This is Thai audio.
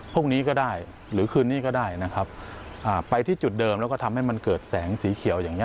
พรุ่งนี้ก็ได้หรือคืนนี้ก็ได้นะครับอ่าไปที่จุดเดิมแล้วก็ทำให้มันเกิดแสงสีเขียวอย่างเงี